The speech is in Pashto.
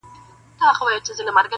هري خواته سرې مرمۍ وې اورېدلې -